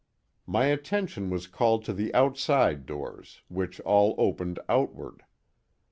My attention was called to the outside doors, which all opened outward.